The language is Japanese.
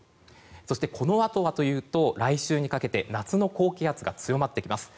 そして、このあとはというと来週にかけて夏の高気圧が強まってきます。